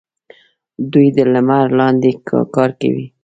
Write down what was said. دوی د لمر لاندې کار کوي.